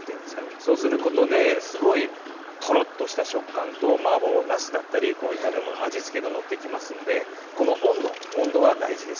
そうすることで、すごいとろっとした食感とマーボーなすだったり炒め物、味付けが乗ってきますのでこの温度が大事です。